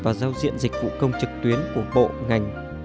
và giao diện dịch vụ công trực tuyến của bộ ngành